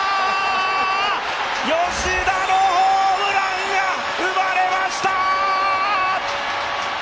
吉田のホームランが生まれました！！！